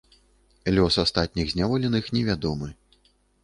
Лёс астатніх зняволеных невядомы.